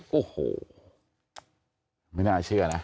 โอ้โหไม่น่าเชื่อนะ